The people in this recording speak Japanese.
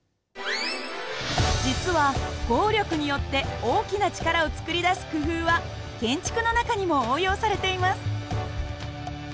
実は合力によって大きな力を作り出す工夫は建築の中にも応用されています。